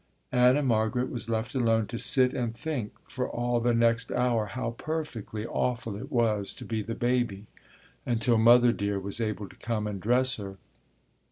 Anna Margaret was left alone to sit and think for all the next hour how perfectly awful it was to be the baby, until Mother Dear was able to come and dress her.